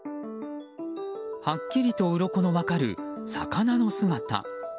はっきりとうろこの分かる魚の姿。